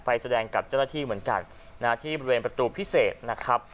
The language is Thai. แสดงกับเจ้าหน้าที่เหมือนกันที่บริเวณประตูพิเศษนะครับ